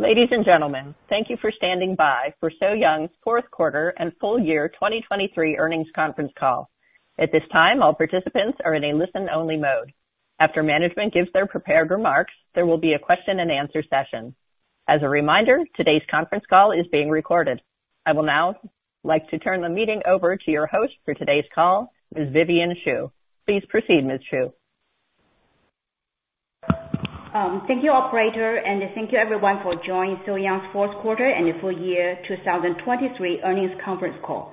Ladies and gentlemen, thank you for standing by for So-Young's fourth quarter and full year 2023 earnings conference call. At this time, all participants are in a listen-only mode. After management gives their prepared remarks, there will be a question-and-answer session. As a reminder, today's conference call is being recorded. I will now like to turn the meeting over to your host for today's call, Ms. Vivian Xu. Please proceed, Ms. Xu. Thank you, Operator, and thank you everyone for joining So-Young's fourth quarter and the full year 2023 earnings conference call.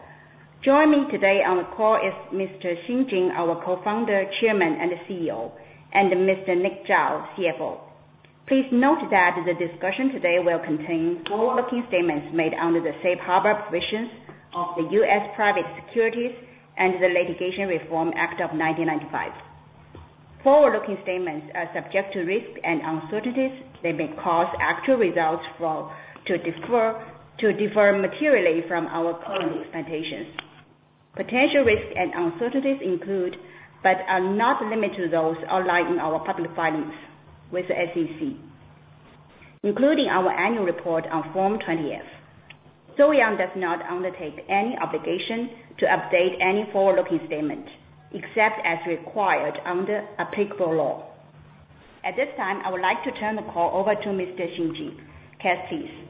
Joining me today on the call is Mr. Xing Jin, our co-founder, chairman, and CEO, and Mr. Nick Zhao, CFO. Please note that the discussion today will contain forward-looking statements made under the Safe Harbor provisions of the U.S. Private Securities Litigation Reform Act of 1995. Forward-looking statements are subject to risk and uncertainties that may cause actual results to differ materially from our current expectations. Potential risks and uncertainties include but are not limited to those outlined in our public filings with the SEC, including our annual report on Form 20-F. So-Young does not undertake any obligation to update any forward-looking statement except as required under applicable law. At this time, I would like to turn the call over to Mr. Xing Jin. Xing, please.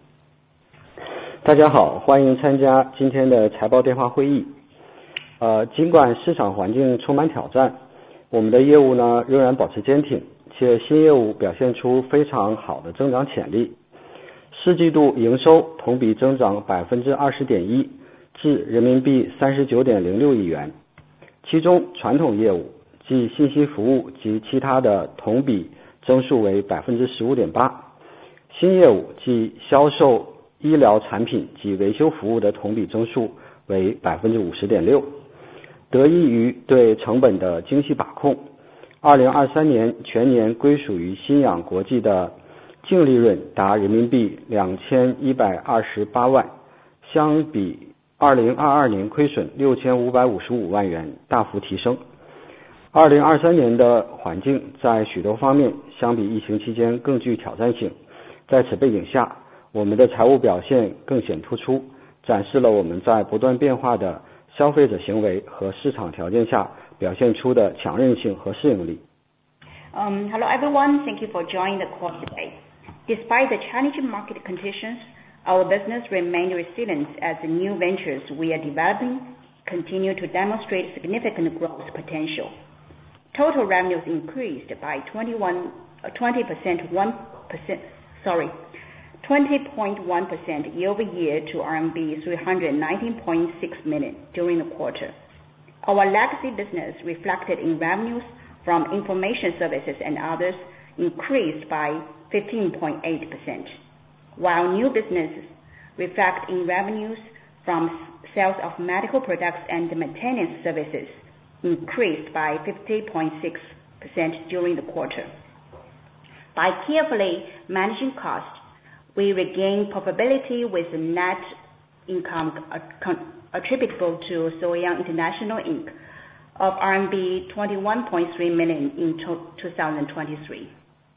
Hello everyone, thank you for joining the call today. Despite the challenging market conditions, our business remained resilient as the new ventures we are developing continue to demonstrate significant growth potential. Total revenues increased by 20.1% year-over-year to RMB 319.6 million during the quarter. Our legacy business reflected in revenues from information services and others increased by 15.8%, while new businesses reflected in revenues from sales of medical products and maintenance services increased by 50.6% during the quarter. By carefully managing costs, we regained profitability with net income attributable to So-Young International Inc. of RMB 21.3 million in 2023,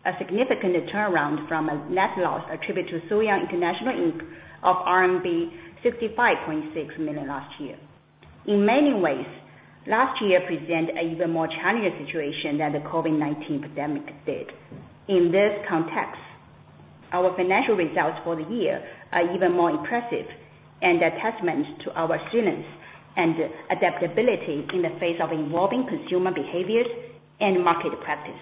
a significant turnaround from a net loss attributed to So-Young International Inc. of RMB 65.6 million last year. In many ways, last year presented an even more challenging situation than the COVID-19 pandemic did. In this context, our financial results for the year are even more impressive and a testament to our resilience and adaptability in the face of evolving consumer behaviors and market practice.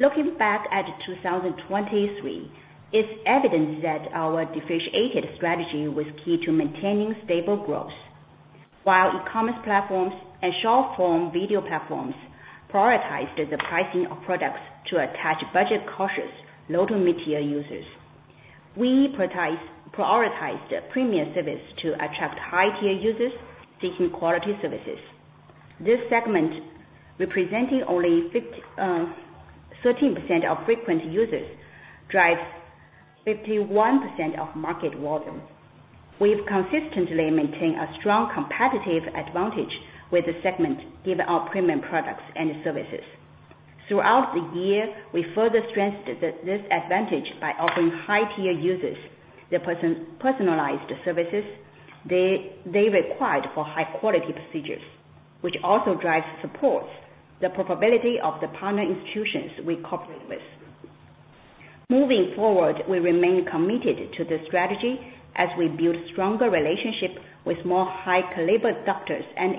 Looking back at 2023, it's evident that our differentiated strategy was key to maintaining stable growth. While e-commerce platforms and short-form video platforms prioritized the pricing of products to attract budget-cautious low-to-mid-tier users, we prioritized premium service to attract high-tier users seeking quality services. This segment, representing only 13% of frequent users, drives 51% of market volume. We've consistently maintained a strong competitive advantage with the segment given our premium products and services. Throughout the year, we further strengthened this advantage by offering high-tier users the personalized services they required for high-quality procedures, which also drives support the profitability of the partner institutions we cooperate with. Moving forward, we remain committed to the strategy as we build stronger relationships with more high-caliber doctors and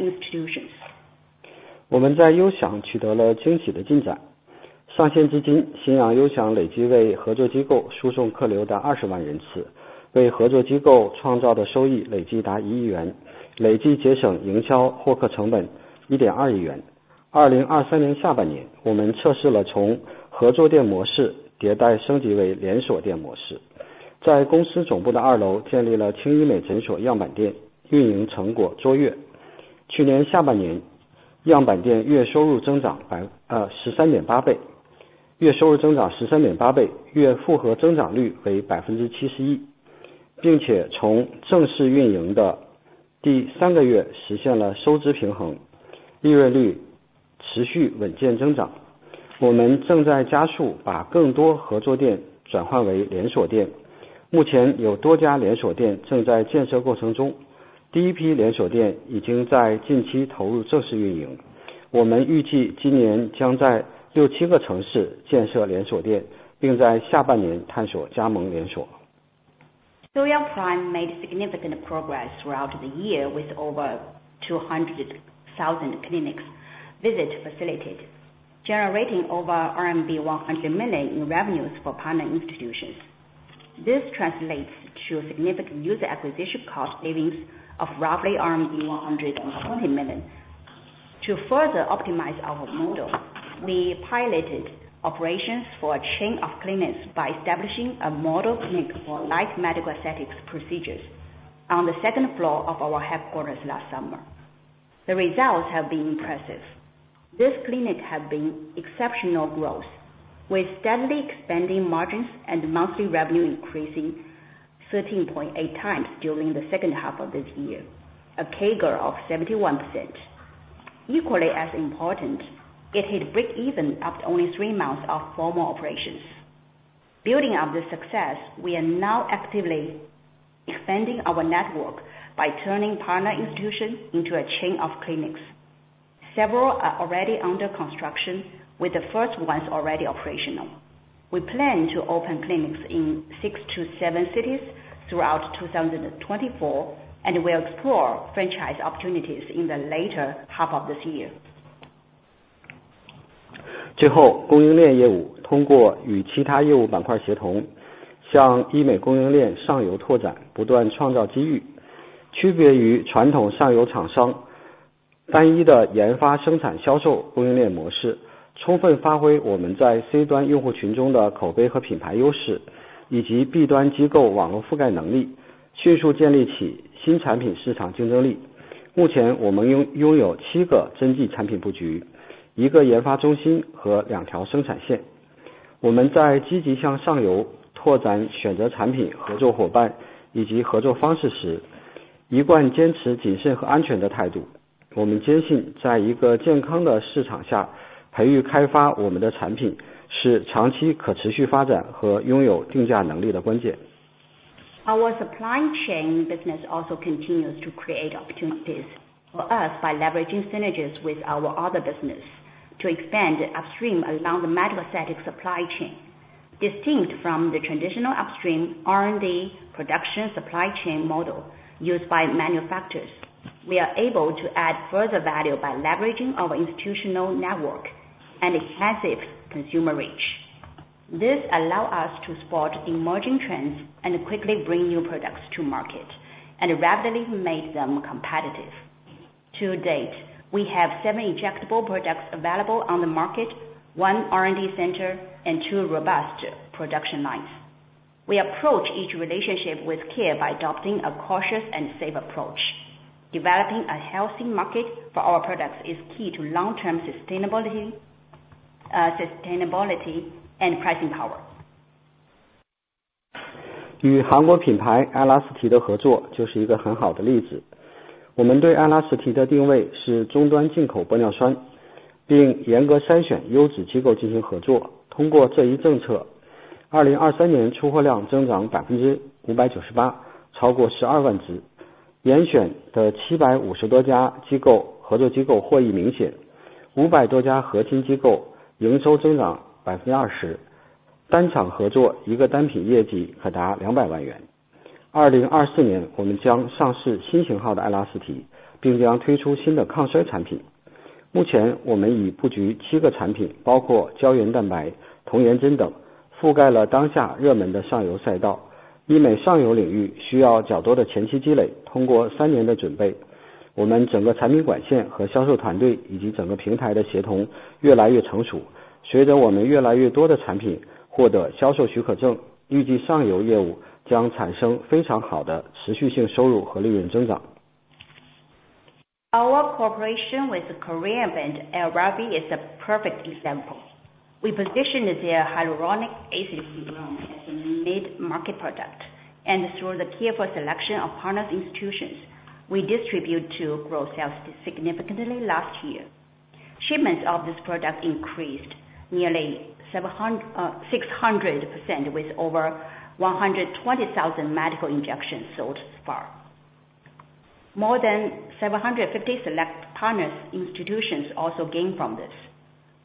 institutions. 我们在优享取得了惊喜的进展。上线至今，新阳优享累计为合作机构输送客流达20万人次，为合作机构创造的收益累计达1亿元，累计节省营销获客成本1.2亿元。2023年下半年，我们测试了从合作店模式迭代升级为连锁店模式，在公司总部的二楼建立了青衣美诊所样板店，运营成果卓越。去年下半年，样板店月收入增长13.8倍，月收入增长13.8倍，月复合增长率为71%，并且从正式运营的第三个月实现了收支平衡，利润率持续稳健增长。我们正在加速把更多合作店转换为连锁店，目前有多家连锁店正在建设过程中，第一批连锁店已经在近期投入正式运营。我们预计今年将在六七个城市建设连锁店，并在下半年探索加盟连锁。So-Young Prime made significant progress throughout the year with over 200,000 clinics visit facilitated, generating over RMB 100 million in revenues for partner institutions. This translates to significant user acquisition cost savings of roughly 120 million. To further optimize our model, we piloted operations for a chain of clinics by establishing a model clinic for Light Medical Aesthetics procedures on the second floor of our headquarters last summer. The results have been impressive. This clinic has been exceptional growth, with steadily expanding margins and monthly revenue increasing 13.8 times during the second half of this year, a CAGR of 71%. Equally as important, it hit break-even after only three months of formal operations. Building on this success, we are now actively expanding our network by turning partner institutions into a chain of clinics. Several are already under construction, with the first ones already operational. We plan to open clinics in 6-7 cities throughout 2024, and we'll explore franchise opportunities in the later half of this year. Our supply chain business also continues to create opportunities for us by leveraging synergies with our other businesses to expand upstream along the medical aesthetic supply chain. Distinct from the traditional upstream R&D production supply chain model used by manufacturers, we are able to add further value by leveraging our institutional network and extensive consumer reach. This allows us to spot emerging trends and quickly bring new products to market, and rapidly make them competitive. To date, we have seven injectable products available on the market, one R&D center, and two robust production lines. We approach each relationship with care by adopting a cautious and safe approach. Developing a healthy market for our products is key to long-term sustainability and pricing power. Our cooperation with Korean brand Elravie is a perfect example. We positioned their hyaluronic acid program as a mid-market product, and through the careful selection of partner institutions, we distributed to grow sales significantly last year. Shipments of this product increased nearly 600% with over 120,000 medical injections sold thus far. More than 750 select partner institutions also gained from this,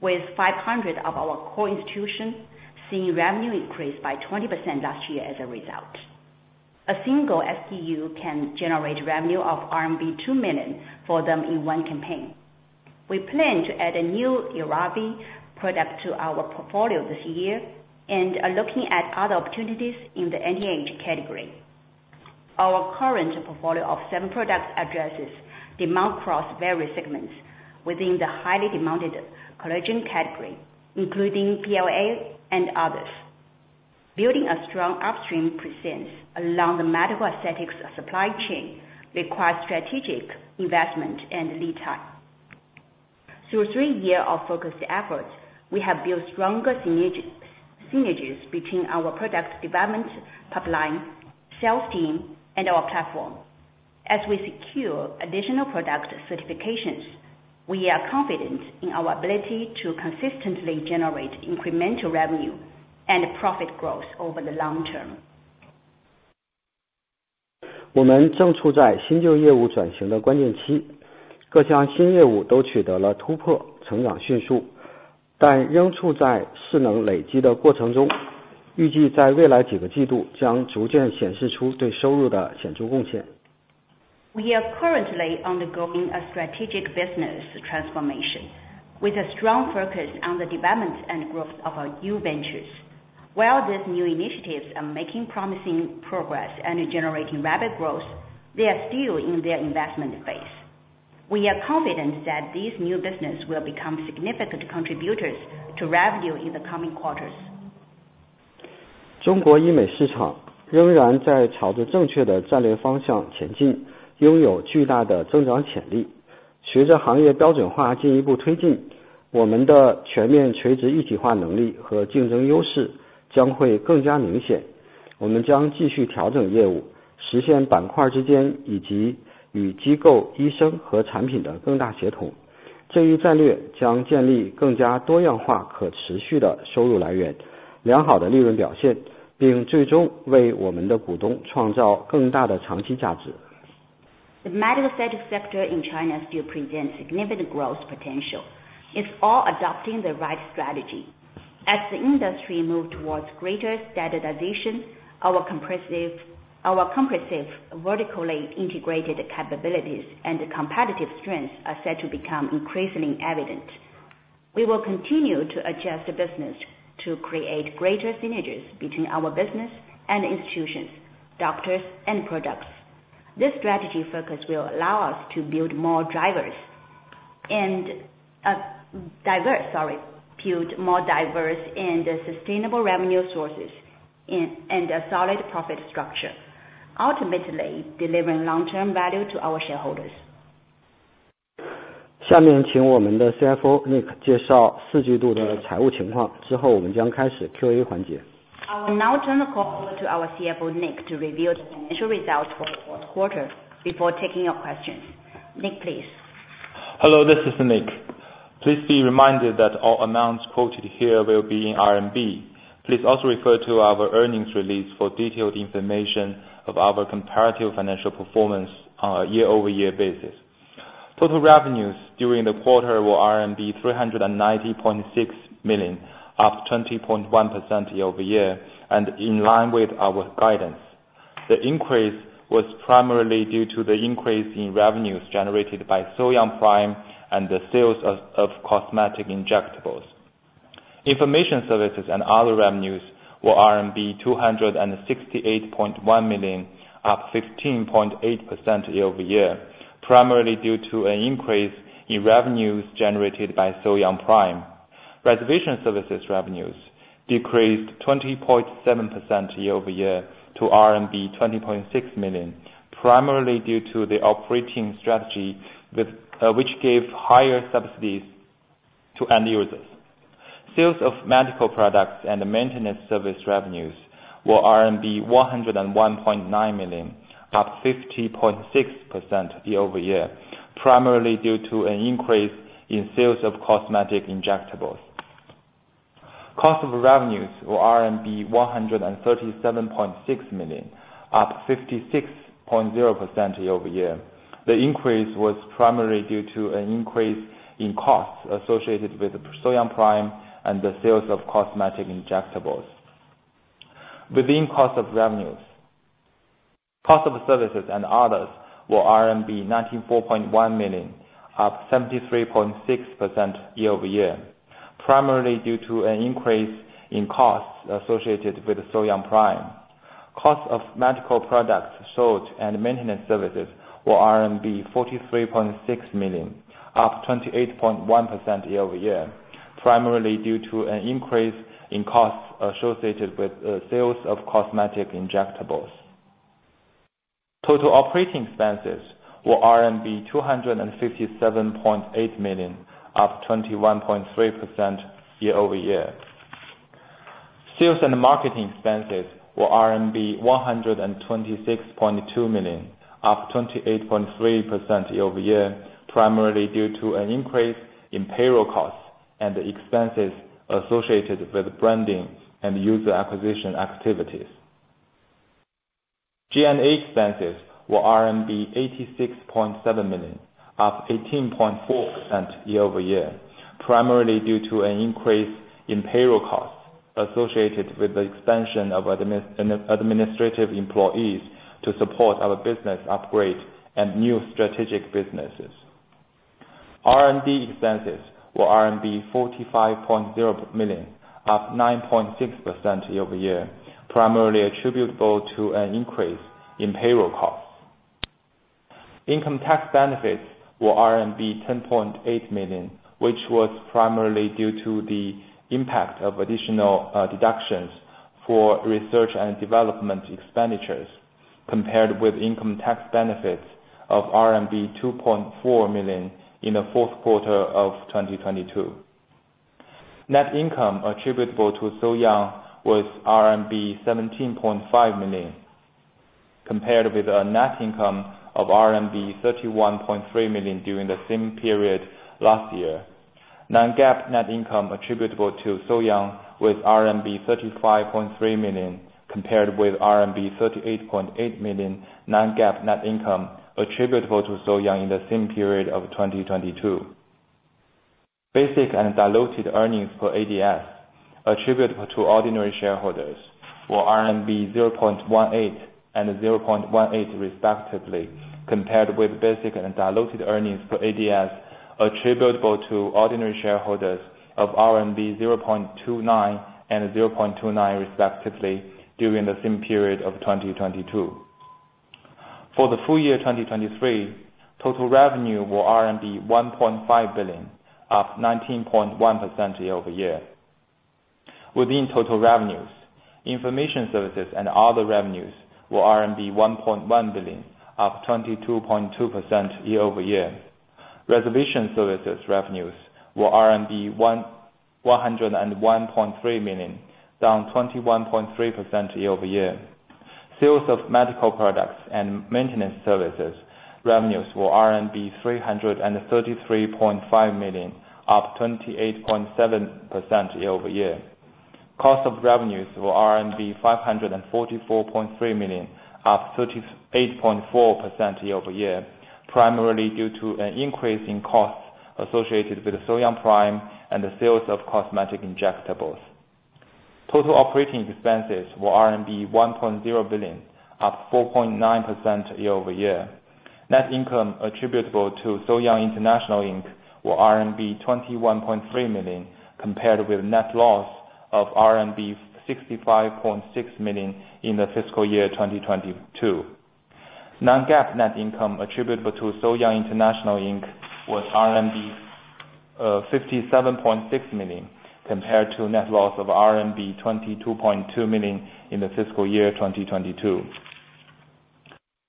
with 500 of our core institutions seeing revenue increase by 20% last year as a result. A single SDU can generate revenue of RMB 2 million for them in one campaign. We plan to add a new Elravie product to our portfolio this year and are looking at other opportunities in the anti-age category. Our current portfolio of seven products addresses demand across various segments within the highly demanded collagen category, including PLA and others. Building a strong upstream presence along the medical aesthetics supply chain requires strategic investment and lead time. Through three years of focused efforts, we have built stronger synergies between our product development pipeline, sales team, and our platform. As we secure additional product certifications, we are confident in our ability to consistently generate incremental revenue and profit growth over the long term. 我们正处在新旧业务转型的关键期，各项新业务都取得了突破，成长迅速，但仍处在势能累积的过程中。预计在未来几个季度将逐渐显示出对收入的显著贡献。We are currently undergoing a strategic business transformation with a strong focus on the development and growth of our new ventures. While these new initiatives are making promising progress and generating rapid growth, they are still in their investment phase. We are confident that these new businesses will become significant contributors to revenue in the coming quarters. The medical aesthetics sector in China still presents significant growth potential. It's all adopting the right strategy. As the industry moves towards greater standardization, our comprehensive vertically integrated capabilities and competitive strengths are set to become increasingly evident. We will continue to adjust the business to create greater synergies between our business and institutions, doctors and products. This strategy focus will allow us to build more drivers and build more diverse and sustainable revenue sources and a solid profit structure, ultimately delivering long-term value to our shareholders. 下面请我们的CFO Nick介绍四季度的财务情况，之后我们将开始QA环节。I will now turn the call over to our CFO Nick to review the financial results for the fourth quarter before taking your questions. Nick, please. Hello, this is Nick. Please be reminded that all amounts quoted here will be in CNY. Please also refer to our earnings release for detailed information of our comparative financial performance on a year-over-year basis. Total revenues during the quarter were RMB 390.6 million, up 20.1% year-over-year, and in line with our guidance. The increase was primarily due to the increase in revenues generated by So-Young Prime and the sales of cosmetic injectables. Information services and other revenues were RMB 268.1 million, up 15.8% year-over-year, primarily due to an increase in revenues generated by So-Young Prime. Reservation services revenues decreased 20.7% year-over-year to RMB 20.6 million, primarily due to the operating strategy which gave higher subsidies to end users. Sales of medical products and maintenance service revenues were RMB 101.9 million, up 50.6% year-over-year, primarily due to an increase in sales of cosmetic injectables. Cost of revenues were RMB 137.6 million, up 56.0% year-over-year. The increase was primarily due to an increase in costs associated with So-Young Prime and the sales of cosmetic injectables. Within cost of revenues, cost of services and others were RMB 94.1 million, up 73.6% year-over-year, primarily due to an increase in costs associated with So-Young Prime. Cost of medical products sold and maintenance services were RMB 43.6 million, up 28.1% year-over-year, primarily due to an increase in costs associated with sales of cosmetic injectables. Total operating expenses were RMB 257.8 million, up 21.3% year-over-year. Sales and marketing expenses were RMB 126.2 million, up 28.3% year-over-year, primarily due to an increase in payroll costs and expenses associated with branding and user acquisition activities. G&A expenses were CNY 86.7 million, up 18.4% year-over-year, primarily due to an increase in payroll costs associated with the expansion of administrative employees to support our business upgrade and new strategic businesses. R&D expenses were 45.0 million, up 9.6% year-over-year, primarily attributable to an increase in payroll costs. Income tax benefits were RMB 10.8 million, which was primarily due to the impact of additional deductions for research and development expenditures, compared with income tax benefits of RMB 2.4 million in the fourth quarter of 2022. Net income attributable to So-Young was RMB 17.5 million, compared with a net income of RMB 31.3 million during the same period last year. Non-GAAP net income attributable to So-Young was RMB 35.3 million, compared with RMB 38.8 million non-GAAP net income attributable to So-Young in the same period of 2022. Basic and diluted earnings per ADS, attributable to ordinary shareholders, were RMB 0.18 and 0.18 respectively, compared with basic and diluted earnings per ADS attributable to ordinary shareholders of RMB 0.29 and 0.29 respectively during the same period of 2022. For the full year 2023, total revenue were RMB 1.5 billion, up 19.1% year-over-year. Within total revenues, information services and other revenues were RMB 1.1 billion, up 22.2% year-over-year. Reservation services revenues were RMB 101.3 million, down 21.3% year-over-year. Sales of medical products and maintenance services revenues were RMB 333.5 million, up 28.7% year-over-year. Cost of revenues were RMB 544.3 million, up 38.4% year-over-year, primarily due to an increase in costs associated with So-Young Prime and the sales of cosmetic injectables. Total operating expenses were RMB 1.0 billion, up 4.9% year-over-year. Net income attributable to So-Young International Inc. were RMB 21.3 million, compared with net loss of RMB 65.6 million in the fiscal year 2022. Non-GAAP net income attributable to So-Young International Inc. was RMB 57.6 million, compared to net loss of RMB 22.2 million in the fiscal year 2022.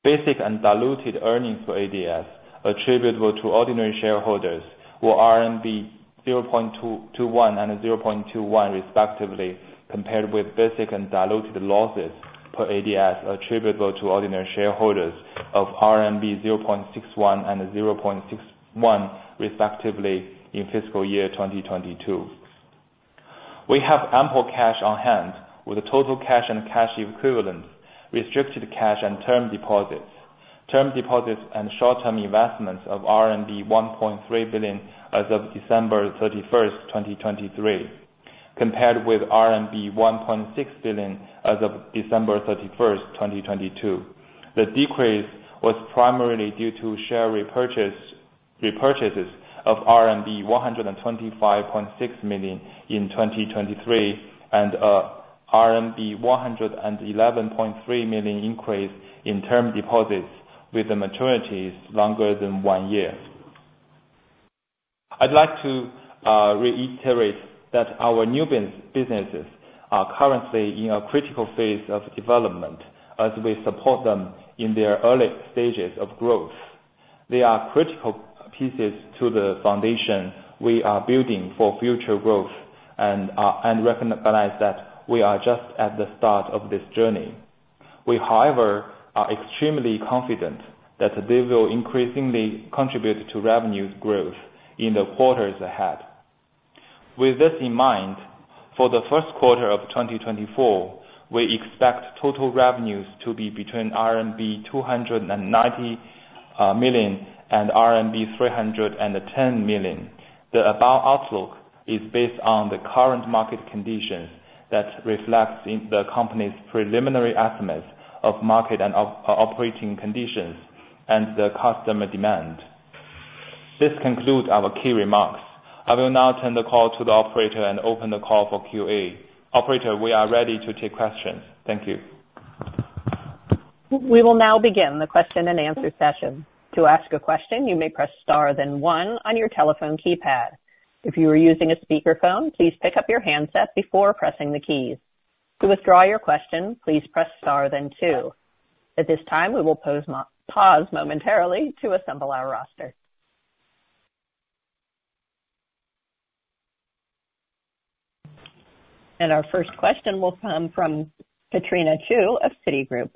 Basic and diluted earnings per ADS attributable to ordinary shareholders were RMB 0.21 and 0.21 respectively, compared with basic and diluted losses per ADS attributable to ordinary shareholders of RMB 0.61 and 0.61 respectively in fiscal year 2022. We have ample cash on hand with total cash and cash equivalents, restricted cash, and term deposits. Term deposits and short-term investments of RMB 1.3 billion as of December 31st, 2023, compared with RMB 1.6 billion as of December 31st, 2022. The decrease was primarily due to share repurchases of RMB 125.6 million in 2023 and an RMB 111.3 million increase in term deposits with the maturities longer than one year. I'd like to reiterate that our new businesses are currently in a critical phase of development as we support them in their early stages of growth. They are critical pieces to the foundation we are building for future growth and recognize that we are just at the start of this journey. We, however, are extremely confident that they will increasingly contribute to revenue growth in the quarters ahead. With this in mind, for the first quarter of 2024, we expect total revenues to be between RMB 290 million and RMB 310 million. The above outlook is based on the current market conditions that reflect the company's preliminary estimates of market and operating conditions and the customer demand. This concludes our key remarks. I will now turn the call to the operator and open the call for QA. Operator, we are ready to take questions. Thank you. We will now begin the question-and-answer session. To ask a question, you may press star then one on your telephone keypad. If you are using a speakerphone, please pick up your handset before pressing the keys. To withdraw your question, please press star then two. At this time, we will pause momentarily to assemble our roster. Our first question will come from Katrina Chu of Citigroup.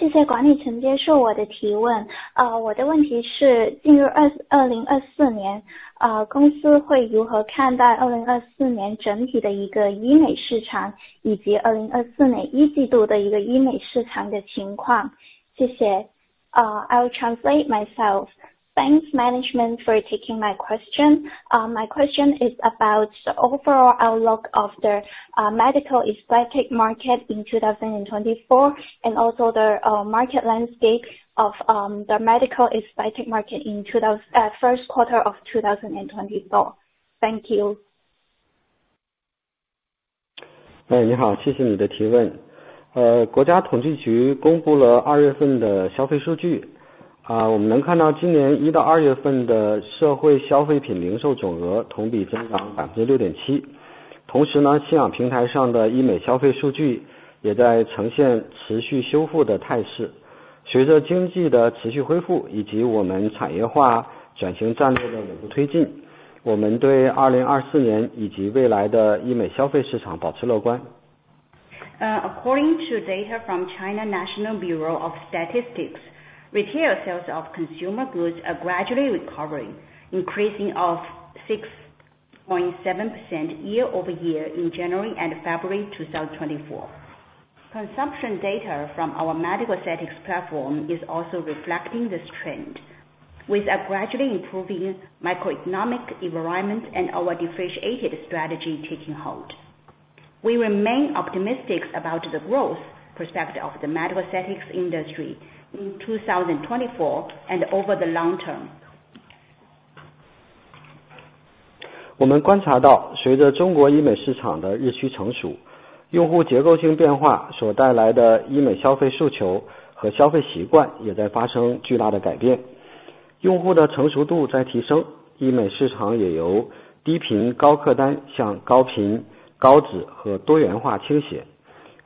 谢谢管理层接受我的提问。我的问题是，进入2024年，公司会如何看待2024年整体的一个医美市场以及2024年一季度的一个医美市场的情况？谢谢。I'll translate myself. Thanks, management, for taking my question. My question is about the overall outlook of the medical aesthetic market in 2024 and also the market landscape of the medical aesthetic market in the first quarter of 2024. Thank you. 你好，谢谢你的提问。国家统计局公布了2月份的消费数据，我们能看到今年1到2月份的社会消费品零售总额同比增长6.7%。同时，信仰平台上的医美消费数据也在呈现持续修复的态势。随着经济的持续恢复以及我们产业化转型战略的稳步推进，我们对2024年以及未来的医美消费市场保持乐观。According to data from National Bureau of Statistics of China, retail sales of consumer goods are gradually recovering, increasing of 6.7% year-over-year in January and February 2024. Consumption data from our medical aesthetics platform is also reflecting this trend, with a gradually improving microeconomic environment and our differentiated strategy taking hold. We remain optimistic about the growth perspective of the medical aesthetics industry in 2024 and over the long term.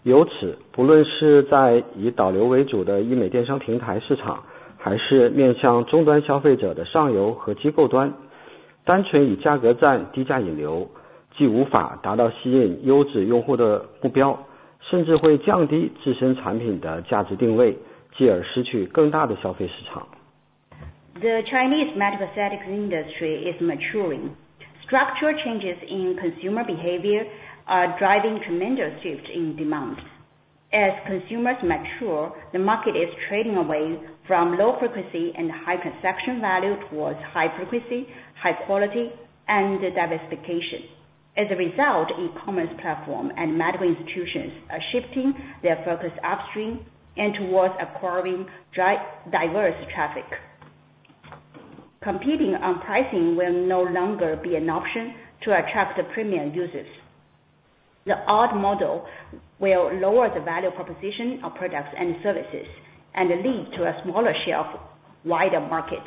我们观察到，随着中国医美市场的日趋成熟，用户结构性变化所带来的医美消费诉求和消费习惯也在发生巨大的改变。用户的成熟度在提升，医美市场也由低频高客单向高频高质和多元化倾斜。由此，不论是在以导流为主的医美电商平台市场，还是面向终端消费者的上游和机构端，单纯以价格战低价引流，既无法达到吸引优质用户的目标，甚至会降低自身产品的价值定位，继而失去更大的消费市场。The Chinese medical aesthetics industry is maturing. Structural changes in consumer behavior are driving tremendous shifts in demand. As consumers mature, the market is trading away from low frequency and high transaction value towards high frequency, high quality, and diversification. As a result, e-commerce platforms and medical institutions are shifting their focus upstream and towards acquiring diverse traffic. Competing on pricing will no longer be an option to attract premium users. The old model will lower the value proposition of products and services and lead to a smaller shelf, wider market.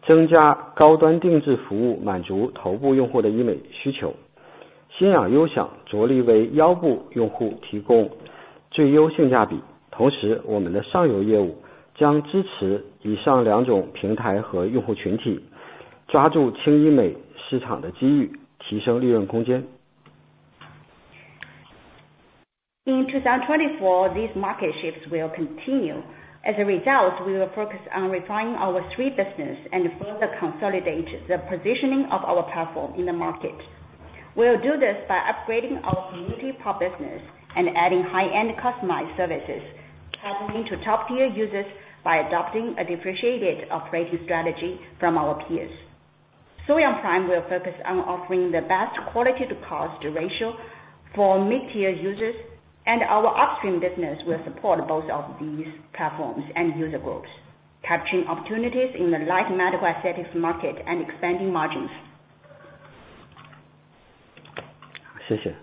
2024年，面对目标市场的变化，我们将在夯实专业医美平台的基础上，聚焦于三大业务板块的精耕细作，升级社区电商业务，采取与竞对差异化的运营策略，增加高端定制服务满足头部用户的医美需求。信仰优享着力为腰部用户提供最优性价比。同时，我们的上游业务将支持以上两种平台和用户群体，抓住轻医美市场的机遇，提升利润空间。In 2024, these market shifts will continue. As a result, we will focus on refining our three businesses and further consolidate the positioning of our platform in the market. We will do this by upgrading our community proper business and adding high-end customized services, tapping into top-tier users by adopting a differentiated operating strategy from our peers. So-Young Prime will focus on offering the best quality-to-cost ratio for mid-tier users, and our upstream business will support both of these platforms and user groups, capturing opportunities in the Light Medical Aesthetics market and expanding margins. 谢谢。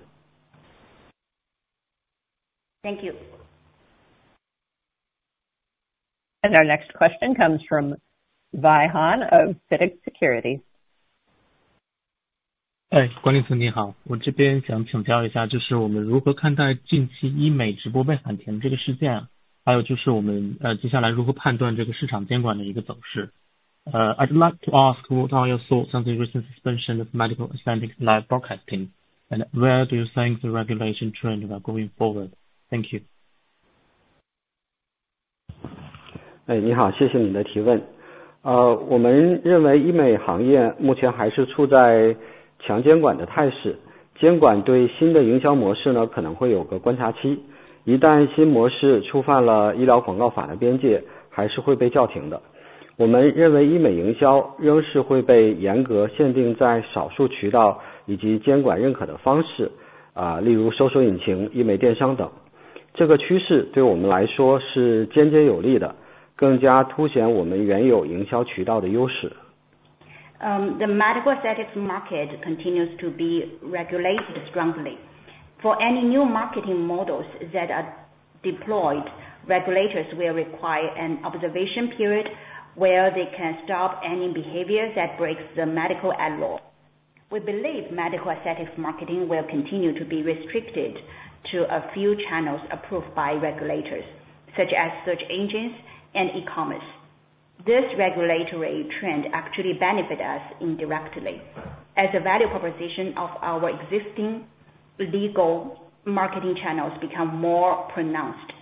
Thank you. Our next question comes from Wei Han of FDT Securities. 唉，关律师你好。我这边想请教一下，就是我们如何看待近期医美直播被喊停这个事件，还有就是我们接下来如何判断这个市场监管的一个走势。I'd like to ask, what are your thoughts on the recent suspension of medical aesthetics live broadcasting, and where do you think the regulation trend will go forward? Thank you. The medical aesthetics market continues to be regulated strongly. For any new marketing models that are deployed, regulators will require an observation period where they can stop any behavior that breaks the medical ad law. We believe medical aesthetics marketing will continue to be restricted to a few channels approved by regulators, such as search engines and e-commerce. This regulatory trend actually benefits us indirectly, as the value proposition of our existing legal marketing channels becomes more pronounced.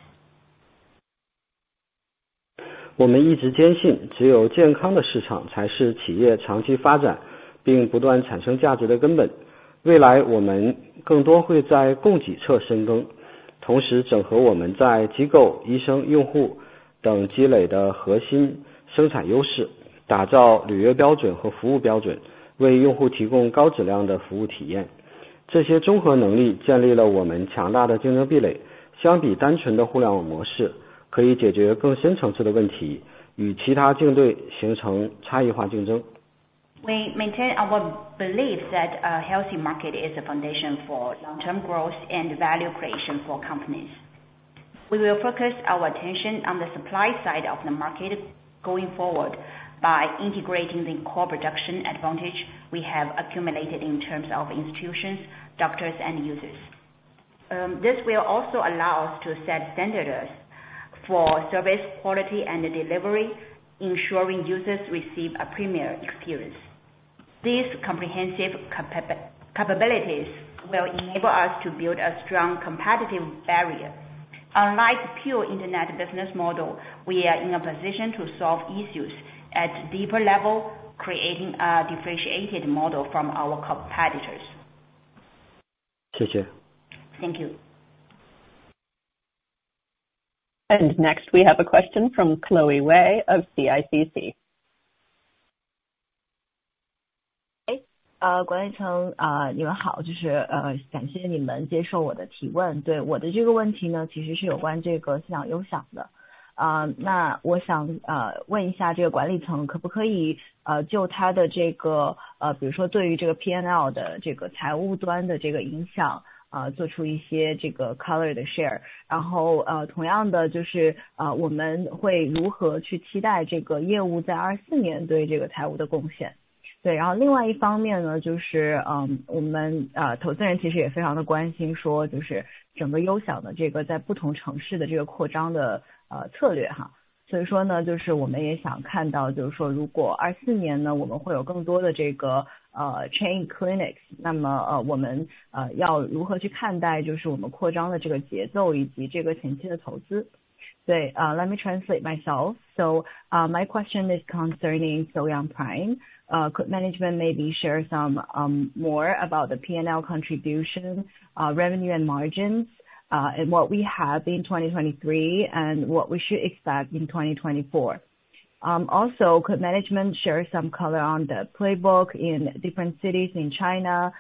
我们一直坚信，只有健康的市场才是企业长期发展并不断产生价值的根本。未来我们更多会在供给侧深耕，同时整合我们在机构、医生、用户等积累的核心生产优势，打造履约标准和服务标准，为用户提供高质量的服务体验。这些综合能力建立了我们强大的竞争壁垒，相比单纯的互联网模式，可以解决更深层次的问题，与其他竞对形成差异化竞争。We maintain our belief that a healthy market is a foundation for long-term growth and value creation for companies. We will focus our attention on the supply side of the market going forward by integrating the core production advantage we have accumulated in terms of institutions, doctors, and users. This will also allow us to set standards for service quality and delivery, ensuring users receive a premier experience. These comprehensive capabilities will enable us to build a strong competitive barrier. Unlike the pure internet business model, we are in a position to solve issues at a deeper level, creating a differentiated model from our competitors. 谢谢。Thank you. Next, we have a question from Chloe Wei of CICC. 唉，管理层你们好，就是感谢你们接受我的提问。对，我的这个问题其实是有关信仰优享的。那我想问一下管理层可不可以就它的这个，比如说对于这个 P&L 的财务端的影响，做出一些 color 的 share，然后同样的就是我们会如何去期待这个业务在 2024 年对这个财务的贡献。对，然后另外一方面就是我们投资人其实也非常的关心说，就是整个优享的这个在不同城市的扩张的策略。所以说就是我们也想看到，就是说如果 2024 年我们会有更多的这个 chain clinics，那么我们要如何去看待就是我们扩张的这个节奏以及这个前期的投资。So let me translate myself. So my question is concerning So-Young Prime. Could management maybe share some more about the P&L contribution, revenue and margins, and what we have in 2023 and what we should expect in 2024? Also, could management share some color on the playbook in different cities in China?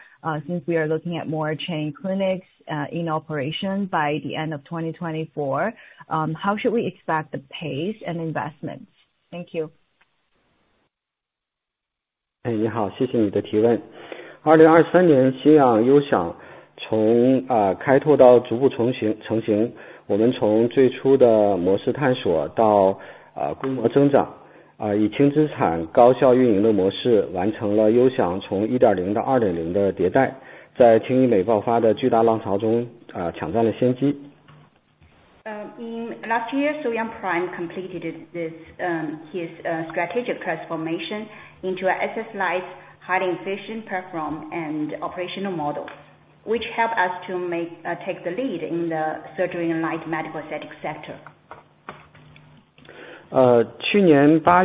Since we are looking at more chain clinics in operation by the end of 2024, how should we expect the pace and investments? Thank you. 你好，谢谢你的提问。2023 年信仰优享从开拓到逐步成型，我们从最初的模式探索到规模增长，以轻资产高效运营的模式完成了优享从 1.0 到 2.0 的迭代，在轻医美爆发的巨大浪潮中抢占了先机。Last year, So-Young Prime completed his strategic transformation into an exercise highly efficient platform and operational models, which helped us to take the lead in the surgery and Light Medical Aesthetics sector. 去年 8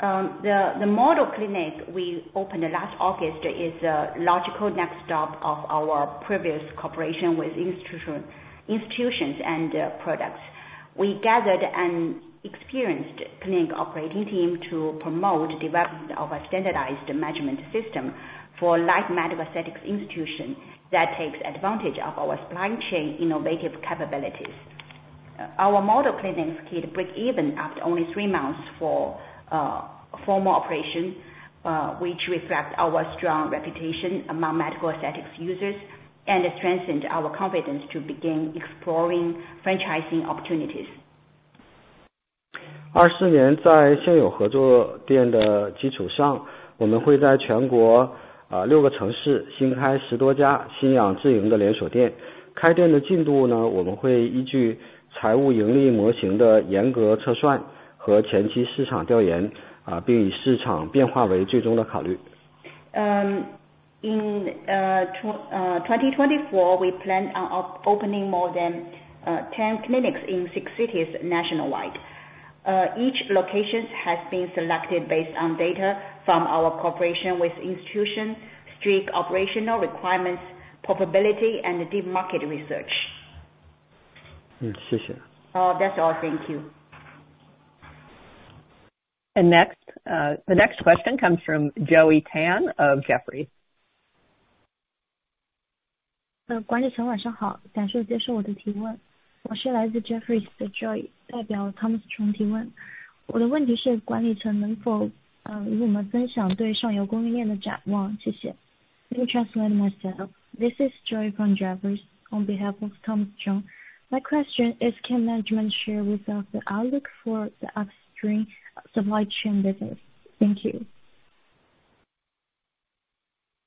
The model clinic we opened last August is a logical next stop of our previous cooperation with institutions and products. We gathered an experienced clinic operating team to promote the development of a standardized management system for light medical aesthetics institutions that takes advantage of our supply chain innovative capabilities. Our model clinics could break even after only three months for formal operation, which reflects our strong reputation among medical aesthetics users and strengthens our confidence to begin exploring franchising opportunities. 24 年在现有合作店的基础上，我们会在全国六个城市新开十多家信仰自营的连锁店。开店的进度我们会依据财务盈利模型的严格测算和前期市场调研，并以市场变化为最终的考虑。In 2024, we plan on opening more than 10 clinics in six cities nationwide. Each location has been selected based on data from our cooperation with institutions, strict operational requirements, probability, and deep market research. 谢谢。That's all. Thank you. The next question comes from Joey Tan of Jefferies. 管理层晚上好，感谢接受我的提问。我是来自 Jefferies 的 Joey，代表 Thomas Chong 提问。我的问题是管理层能否与我们分享对上游供应链的展望？谢谢。Let me translate myself. This is Joey from Jefferies on behalf of Thomas Chong. My question is, can management share with us the outlook for the upstream supply chain business? Thank you.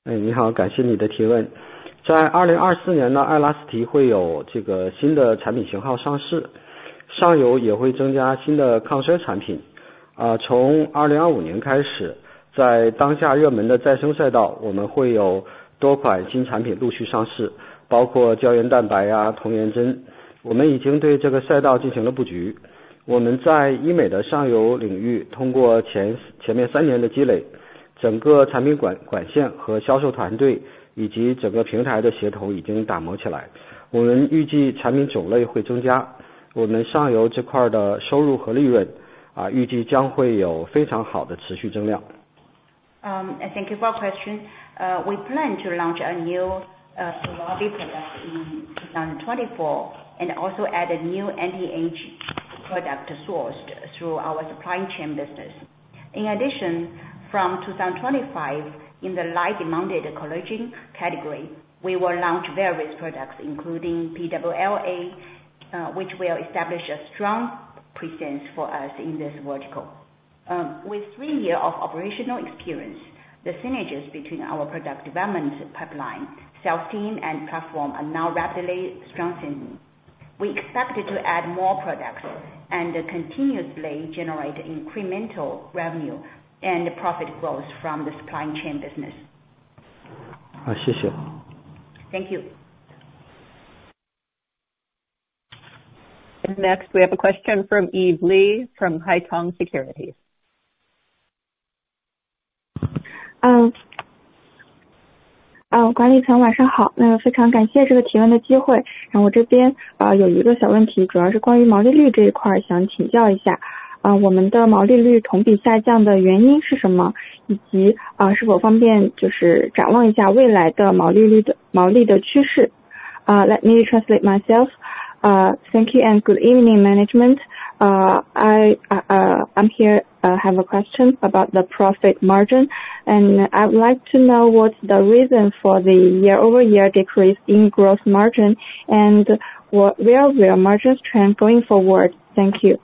你好，感谢你的提问。在 2024 年的爱拉斯提会有新的产品型号上市，上游也会增加新的抗衰产品。从 2025 年开始，在当下热门的再生赛道，我们会有多款新产品陆续上市，包括胶原蛋白、童颜针。我们已经对这个赛道进行了布局。我们在医美的上游领域通过前面三年的积累，整个产品管线和销售团队以及整个平台的协同已经打磨起来。我们预计产品种类会增加，我们上游这块的收入和利润预计将会有非常好的持续增量。Thank you for the question. We plan to launch a new body product in 2024 and also add a new anti-age product source through our supply chain business. In addition, from 2025, in the light demanded collagen category, we will launch various products, including PLLA, which will establish a strong presence for us in this vertical. With three years of operational experience, the synergies between our product development pipeline, sales team, and platform are now rapidly strengthening. We expect to add more products and continuously generate incremental revenue and profit growth from the supply chain business. 谢谢。Thank you. Next, we have a question from Eve Li from Haitong Securities. 管理层晚上好，非常感谢这个提问的机会。我这边有一个小问题，主要是关于毛利率这一块想请教一下。我们的毛利率同比下降的原因是什么？以及是否方便展望一下未来的毛利率的趋势？ Let me translate myself. Thank you and good evening, management. I'm here to have a question about the profit margin, and I would like to know what's the reason for the year-over-year decrease in gross margin and where will margins trend going forward? Thank you.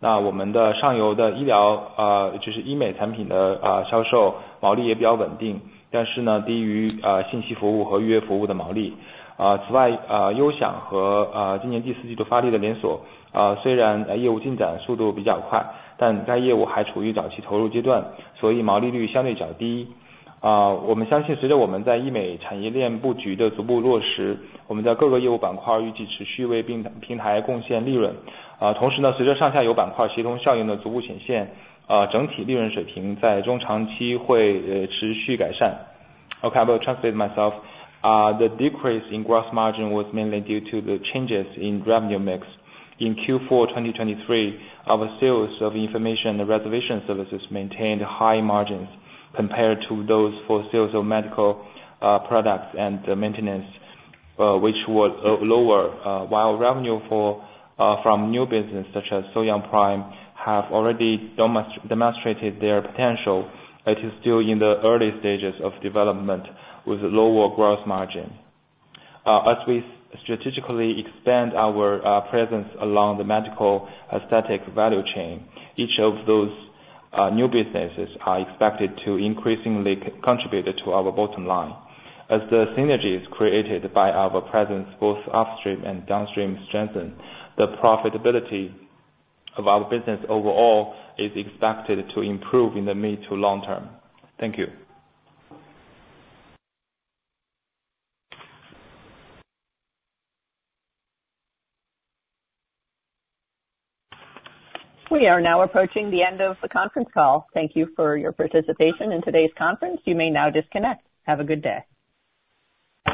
好的，谢谢你的问题。我来回答一下这个问题。我们现在毛利的降低主要是我们收入结构的变化导致的。我们传统的信息服务和预约服务的毛利还是保持了比较高的水平。我们的上游的医疗，就是医美产品的销售毛利也比较稳定，但是低于信息服务和预约服务的毛利。此外，优享和今年第四季度发力的连锁，虽然业务进展速度比较快，但该业务还处于早期投入阶段，所以毛利率相对较低。我们相信随着我们在医美产业链布局的逐步落实，我们在各个业务板块预计持续为平台贡献利润。同时，随着上下游板块协同效应的逐步显现，整体利润水平在中长期会持续改善。Okay, I will translate myself. The decrease in gross margin was mainly due to the changes in revenue mix. In Q4 2023, our sales of information and reservation services maintained high margins compared to those for sales of medical products and maintenance, which were lower, while revenue from new business such as So-Young Prime have already demonstrated their potential. It is still in the early stages of development with lower gross margin. As we strategically expand our presence along the medical aesthetic value chain, each of those new businesses are expected to increasingly contribute to our bottom line. As the synergies created by our presence both upstream and downstream strengthen, the profitability of our business overall is expected to improve in the mid to long term. Thank you. We are now approaching the end of the conference call. Thank you for your participation in today's conference. You may now disconnect. Have a good day.